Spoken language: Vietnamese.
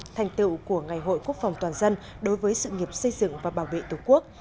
thành tựu của ngày hội quốc phòng toàn dân đối với sự nghiệp xây dựng và bảo vệ tổ quốc